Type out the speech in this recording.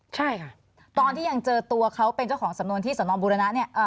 ใช่ค่ะตอนที่ยังเจอตัวเขาเป็นเจ้าของสำนวนที่สนบุรณะเนี่ย